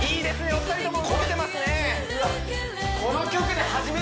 お二人とも動けてますね